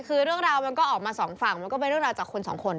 คือเรื่องราวมันก็ออกมาสองฝั่งมันก็เป็นเรื่องราวจากคนสองคน